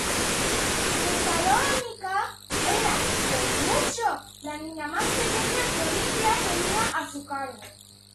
Tesalónica era, con mucho, la niña más pequeña que Olimpia tenía a su cargo.